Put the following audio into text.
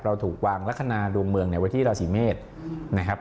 เราถูกวางลักษณะดวงเมืองไว้ที่ราศีเมษนะครับ